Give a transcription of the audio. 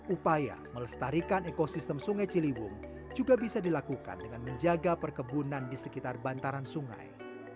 upaya melestarikan ekosistem sungai ciliwung juga bisa dilakukan dengan menjaga perkebunan di sekitar bantaran sungai